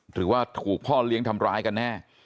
หรือว่าถูกพ่อเลี้ยงทำร้ายกันแน่